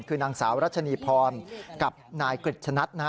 คือนางสาวรัชนีพรกับนายกริจชนัด